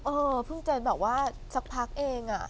เออเพิ่งจะแบบว่าสักพักเองอะ